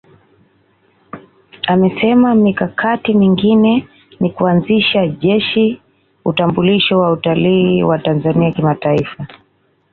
Amesema mikakati mingine ni kuanzisha Jeshi Utambulisho wa Utalii wa Tanzania Kimataifa